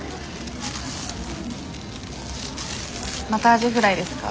またアジフライですか？